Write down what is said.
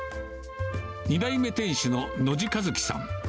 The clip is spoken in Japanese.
２代目店主の野地和樹さん。